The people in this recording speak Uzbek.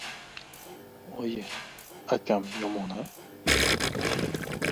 — Oyi, akam yomon-a?